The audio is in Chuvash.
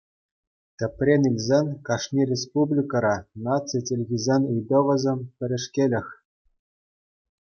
Тӗпрен илсен кашни республикӑра наци чӗлхисен ыйтӑвӗсем пӗрешкелех.